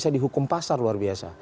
dihukum pasar luar biasa